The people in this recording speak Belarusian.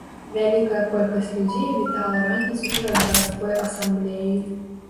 Вялікая колькасць людзей вітала раніцу перад гарадской асамблеяй.